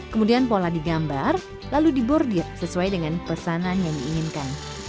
kemudian pola digambar lalu dibordir sesuai dengan pesanan yang diinginkan